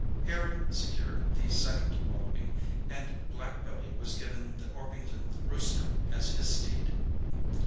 Harry secured the second wallaby, and black Billy was given the Orpington rooster as his steed.